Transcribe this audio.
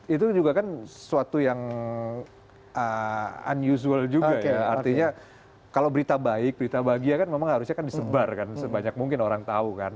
itu juga kan suatu yang unusual juga ya artinya kalau berita baik berita bahagia kan memang harusnya kan disebar kan sebanyak mungkin orang tahu kan